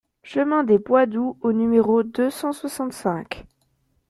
Chemin des Pois Doux au numéro deux cent soixante-cinq